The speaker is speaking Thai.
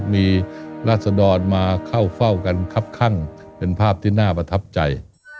มีราศดรมาเข้าเฝ้ากันครับข้างเป็นภาพที่น่าประทับใจ